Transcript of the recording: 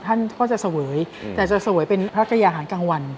ท่านก็จะเสวยแต่จะเสวยเป็นพระกระยาหารกลางวัน